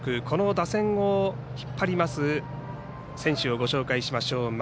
この打線を引っ張ります選手をご紹介しましょう。